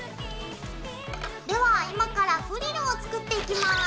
では今からフリルを作っていきます。